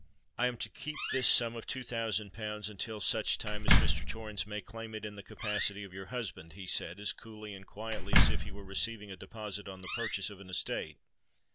"I am to keep this sum of two thousand pounds until such time as Mr. Torrens may claim it in the capacity of your husband?" he said, as coolly and quietly as if he were receiving a deposit on the purchase of an estate.